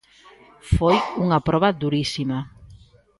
Foi unha proba durísima.